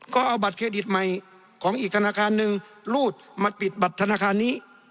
ก็เอาบัตรเครดิตใหม่ของอีกธนาคารหนึ่งรูดมาปิดบัตรธนาคารนี้